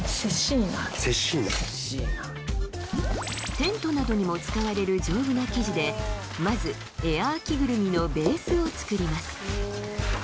セシーナテントなどにも使われる丈夫な生地でまずエアー着ぐるみのベースを作ります